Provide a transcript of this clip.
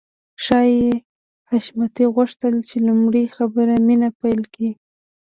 ښايي حشمتي غوښتل چې لومړی خبرې مينه پيل کړي.